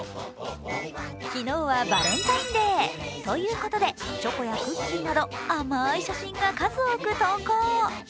昨日はバレンタインデーということで、チョコやクッキーなど甘い写真が数多く投稿。